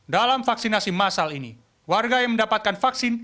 dalam vaksinasi masal ini warga yang mendapatkan vaksin